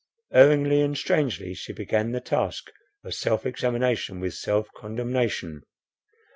Erringly and strangely she began the task of self examination with self condemnation.